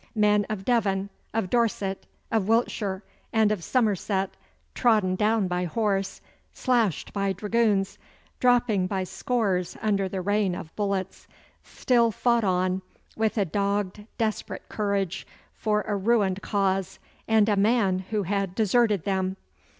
Men of Devon, of Dorset, of Wiltshire, and of Somerset, trodden down by horse, slashed by dragoons, dropping by scores under the rain of bullets, still fought on with a dogged, desperate courage for a ruined cause and a man who had deserted them.